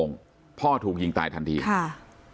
พ่อถูกยิงตายทันทีค่ะ